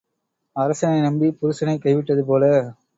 அரசனை நம்பிப் புருஷனைக் கை விட்டது போல.